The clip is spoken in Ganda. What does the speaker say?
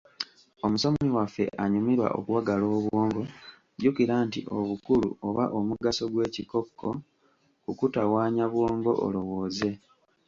Omusomi waffe anyumirwa okuwagala obwongo, jjukira nti obukulu oba omugaso gw'ekikokko kukutawaanya bwongo olowooze.